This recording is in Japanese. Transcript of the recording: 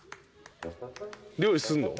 料理すんの？